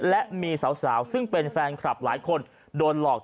และมีสาวซึ่งเป็นแฟนคลับหลายคนโดนหลอก